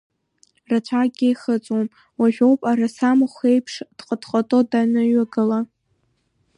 Рацәакгьы ихыҵуам уажәоуп арасамахә аиԥш дҟат-ҟато даныҩагыла.